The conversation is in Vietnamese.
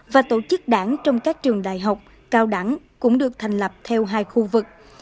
và tổ chức đảng trong các trường đại học cao đẳng cũng được thành lập theo hai khu vực